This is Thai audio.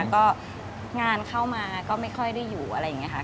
ก็งานเข้ามาก็ไม่ค่อยได้อยู่อะไรอย่างนี้ค่ะ